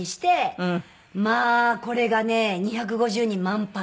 まあこれがね２５０人満杯。